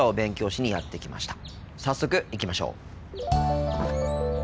早速行きましょう。